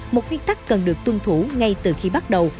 một nguyên tắc cần được tuân thủ ngay từ khi bắt đầu